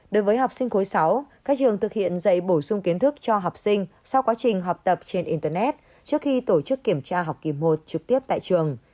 đối với học sinh khối sáu các trường thực hiện dạy bổ sung kiến thức cho học sinh sau quá trình học tập trên internet trước khi tổ chức kiểm tra học kỳ một trực tiếp tại trường